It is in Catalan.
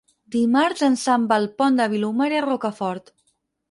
Dimarts en Sam va al Pont de Vilomara i Rocafort.